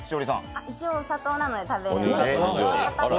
一応、お砂糖なので食べられます。